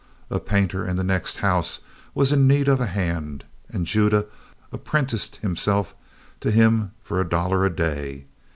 A painter in the next house was in need of a hand, and Judah apprenticed himself to him for a dollar a day.